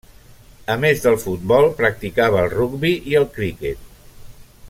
A més del futbol, practicava el rugbi i el criquet.